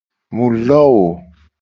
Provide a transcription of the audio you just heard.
Mu lowo.